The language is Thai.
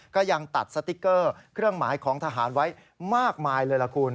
ก็ยังตัดสติ๊กเกอร์เครื่องหมายของทหารไว้มากมายเลยล่ะคุณ